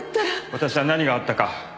私は何があったか